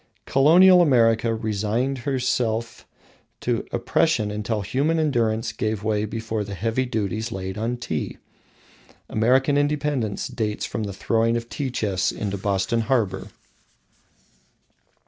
Colonial America resigned herself to oppression until human endurance gave way before the heavy duties laid on Tea. American independence dates from the throwing of tea chests into Boston harbour.